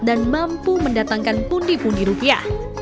dan mampu mendatangkannya